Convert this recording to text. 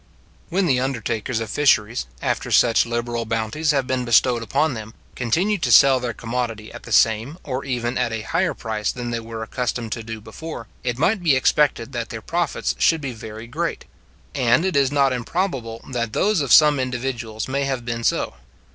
When the undertakers of fisheries, after such liberal bounties have been bestowed upon them, continue to sell their commodity at the same, or even at a higher price than they were accustomed to do before, it might be expected that their profits should be very great; and it is not improbable that those of some individuals may have been so.